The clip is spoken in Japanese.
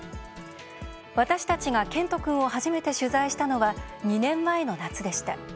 私たちが健人君を初めて取材したのは２年前の夏でした。